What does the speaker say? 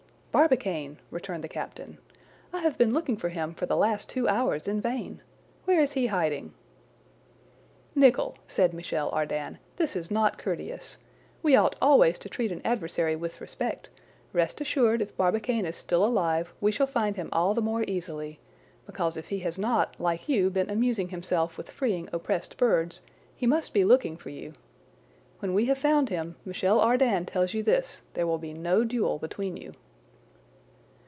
"Barbicane!" returned the captain. "I have been looking for him for the last two hours in vain. Where is he hiding?" "Nicholl!" said Michel Ardan, "this is not courteous! we ought always to treat an adversary with respect; rest assureed if Barbicane is still alive we shall find him all the more easily; because if he has not, like you, been amusing himself with freeing oppressed birds, he must be looking for you. When we have found him, Michel Ardan tells you this, there will be no duel between you."